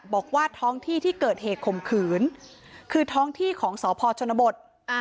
บอกว่าท้องที่ที่เกิดเหตุข่มขืนคือท้องที่ของสพชนบท